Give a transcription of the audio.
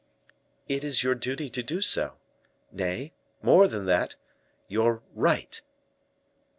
"It is your duty to do so, nay, more than that, your right."